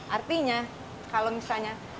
artinya kalau misalnya